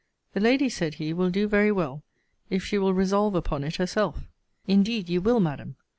The lady, said he, will do very well, if she will resolve upon it herself. Indeed you will, Madam.